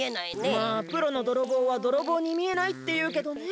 まあプロのどろぼうはどろぼうにみえないっていうけどね。